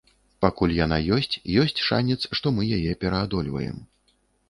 Пакуль яна ёсць, ёсць шанец, што мы яе пераадольваем.